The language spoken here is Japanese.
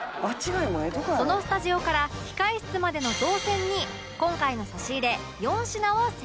そのスタジオから控室までの動線に今回の差し入れ４品を設置